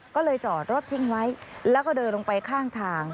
ก็เลยจอดรถทิ้งไว้แล้วก็เดินลงไปข้างทาง